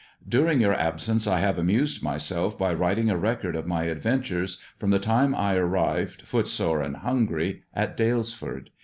During your absence I have amused myself by writing a record of my adventures from the time I arrived, footsore and hungry, at Dalesford.